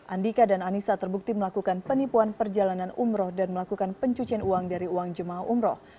andika dan anissa terbukti melakukan penipuan perjalanan umroh dan melakukan pencucian uang dari uang jemaah umroh